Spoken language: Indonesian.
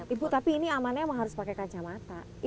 ibu tapi ini amannya emang harus pakai kacamata